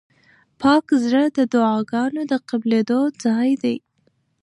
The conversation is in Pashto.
پاک زړه د دعاګانو د قبلېدو ځای دی.